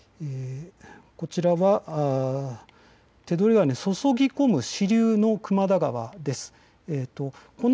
こちらが手取川に注ぎ込む支流の熊田川です。